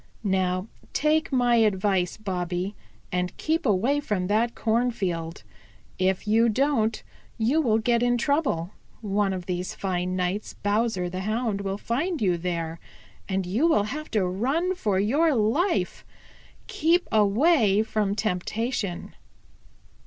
Now take my advice, Bobby, and keep away from that cornfield. If you don't, you will get in trouble. One of these fine nights Bowser the Hound will find you there and you will have to run for your life. Keep away from temptation."